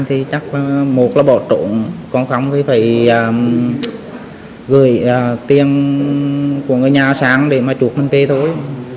thì phải gửi tiền của người nhà sáng để mà chuộc anh về thôi